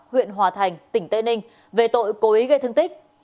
huyện hòa thành tỉnh tây ninh về tội cố ý gây thương tích